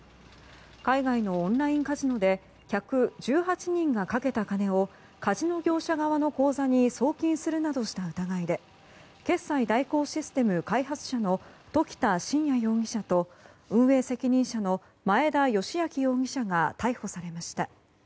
海外のオンラインカジノで客１８人がかけた金をカジノ業者側の口座に送金するなどした疑いで決済代行システム開発者の時田慎也容疑者と運営責任者の前田由顕容疑者が逮捕されました。